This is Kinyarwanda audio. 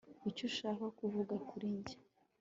icyo ushaka kuvuga kuri njye